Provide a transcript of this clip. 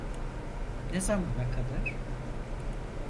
Ne zamana kadar?